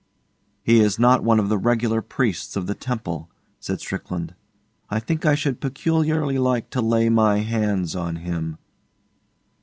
'He is not one of the regular priests of the temple,' said Strickland. 'I think I should peculiarly like to lay my hands on him.